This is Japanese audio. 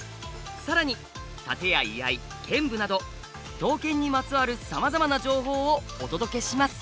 さらに殺陣や居合剣舞など刀剣にまつわるさまざまな情報をお届けします！